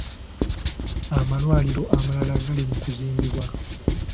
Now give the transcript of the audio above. Amalwaliro amalala gali mu kuzimbibwa.